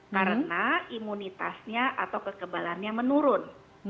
karena imunitasnya atau kekebalannya menurun